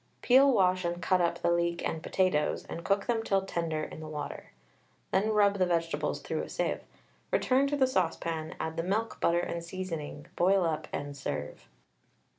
Peel, wash, and cut up the leek and potatoes, and cook them till tender in the water. Then rub the vegetables through a sieve. Return to the saucepan, add the milk, butter, and seasoning, boil up, and serve.